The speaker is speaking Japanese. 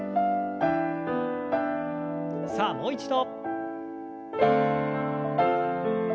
さあもう一度。